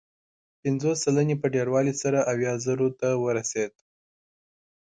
پنځوس سلنې په ډېروالي سره اویا زرو ته ورسېد.